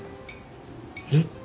えっ？